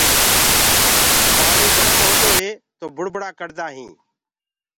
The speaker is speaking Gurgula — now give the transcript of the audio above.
پآڻي گرم هوندو هي تو بُڙبُڙآ ڪڙدآ هينٚ۔